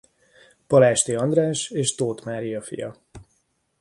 Palásthy András és Tóth Mária fia.